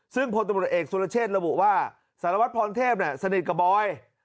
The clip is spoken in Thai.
ซึ่งพลตำรวจเอกสุรเชษฐระบุว่าสารวัตรพรเทพสนิทกับบอย